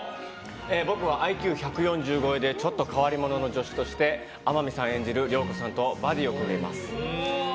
僕はＩＱ１４０超えでちょっと変わり者の助手として天海さん演じる涼子さんとバディを組んでいます。